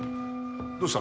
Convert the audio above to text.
どうした？